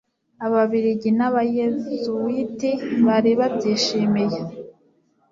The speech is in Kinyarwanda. ababiligi n'abayezuwiti bari babyishimiye